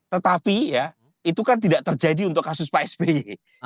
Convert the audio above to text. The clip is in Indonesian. tetapi ya itu kan tidak terjadi untuk kasus pak sby